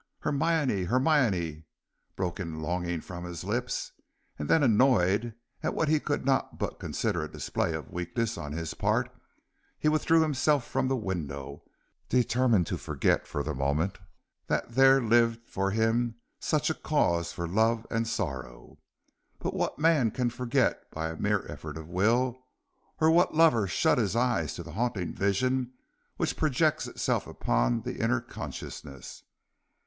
"Hermione! Hermione!" broke in longing from his lips, and then annoyed at what he could not but consider a display of weakness on his part, he withdrew himself from the window, determined to forget for the moment that there lived for him such a cause for love and sorrow. But what man can forget by a mere effort of will, or what lover shut his eyes to the haunting vision which projects itself upon the inner consciousness.